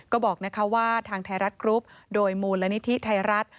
ก็บอกว่าทางไทยรัฐกรุ๊ปโดยมูลนิธิไทยรัฐ